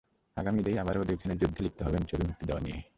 আগামী ঈদেই আবারও দুই খান যুদ্ধে লিপ্ত হবেন ছবি মুক্তি দেওয়া নিয়ে।